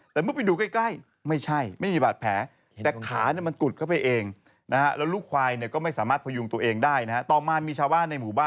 แต่เมื่อไปดูใกล้ไม่ใช่ไม่มีบาดแผลแต่ขามันกุดเข้าไปเองนะฮะ